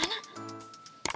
ari reva nya kemana